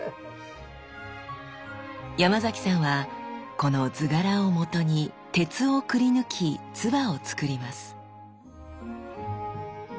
山崎さんはこの図柄をもとに鉄をくりぬき鐔をつくります。